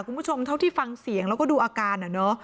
เท่าที่ฟังเสียงแล้วก็ดูอาการอะเนาะ